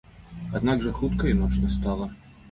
Аднак жа хутка і ноч настала.